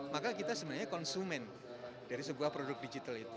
maka kita sebenarnya konsumen dari sebuah produk digital itu